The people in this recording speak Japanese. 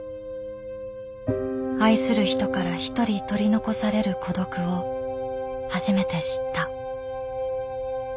愛する人からひとり取り残される孤独を初めて知った。